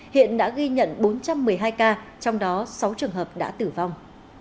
hiện đã ghi nhận bốn trăm một mươi hai ca trong đó sáu trường hợp đã tử vong